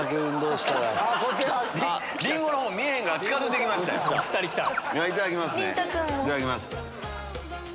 いただきます。